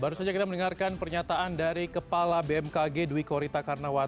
baru saja kita mendengarkan pernyataan dari kepala bmkg dwi korita karnawan